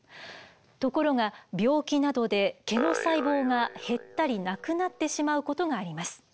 ところが病気などで毛の細胞が減ったりなくなってしまうことがあります。